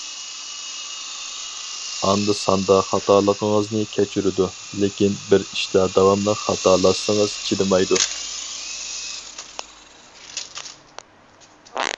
ئاندا-ساندا خاتالىقىڭىزنى كەچۈرىدۇ، لېكىن بىر ئىشتا داۋاملىق خاتالاشسىڭىز چىدىمايدۇ.